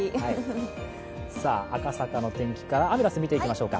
赤坂の天気からアメダスを見ていきましょうか。